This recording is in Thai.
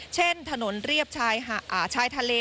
เช่นถนนเรียบชายหาอาชายทะเล